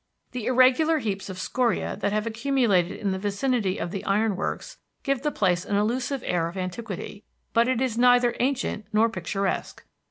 The irregular heaps of scoria that have accumulated in the vicinity of the iron works give the place an illusive air of antiquity; bit it is neither ancient nor picturesque.